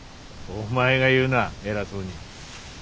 お前が言うな偉そうに。